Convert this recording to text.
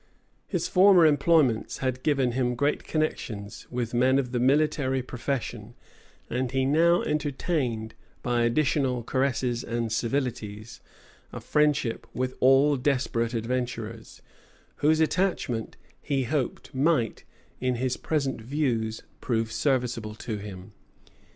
His former employments had given him great connections, with men of the military profession; and he now entertained, by additional caresses and civilities, a friendship with all desperate adventurers, whose attachment, he hoped, might, in his present views, prove serviceable to him.